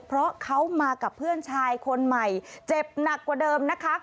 เพราะเขามากับเพื่อนชายคนใหม่เจ็บหนักกว่าเดิมนะคะ